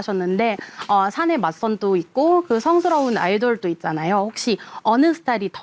สนุนแหลวแรงประกอบบ่อยโดยกลุ่มให้ประวัติเกาะเพื่อนโปรปภาพ